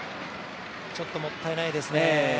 ちょっともったいないですね。